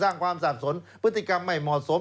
สร้างความสาสนพฤติกรรมไม่เหมาะสม